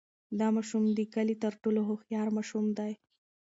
دا ماشوم د کلي تر ټولو هوښیار ماشوم دی.